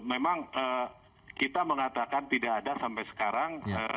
memang kita mengatakan tidak ada sampai sekarang